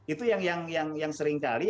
itu yang seringkali